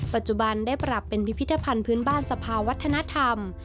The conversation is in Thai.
ปัจจุบันได้ปรับเป็นพิพิธภัณฑ์พื้นบ้านสภาวัฒนธรรม